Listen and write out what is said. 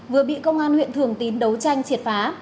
vừa bị công an huyện thường tín đấu tranh triệt phá